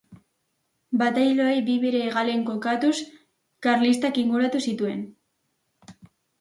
Batailoi bi bere hegalean kokatuz, karlistak inguratu zituen.